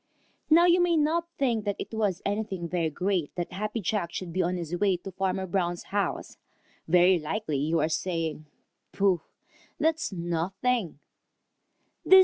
Now you may not think that it was anything very great that Happy Jack should be on his way to Farmer Brown's house. Very likely you are saying, "Pooh! that's nothing!"